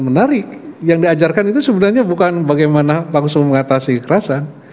menarik yang diajarkan itu sebenarnya bukan bagaimana bangsa mengatasi kekerasan